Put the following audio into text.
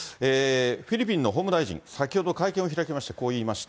フィリピンの法務大臣、先ほど会見を開きまして、こう言いました。